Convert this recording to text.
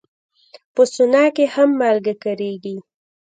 په سونا کې هم مالګه کارېږي.